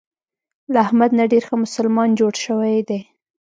له احمد نه ډېر ښه مسلمان انسان جوړ شوی دی.